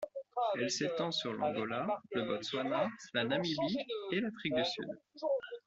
Elle s'étend sur l'Angola, le Botswana, la Namibie et l'Afrique du Sud.